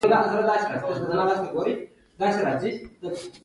دا ښار په مقدونیه او روم پورې تړل کېږي.